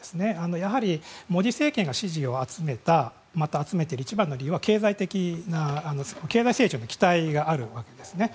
やはりモディ政権が支持を集めている一番の理由は経済成長の期待があるわけなんですね。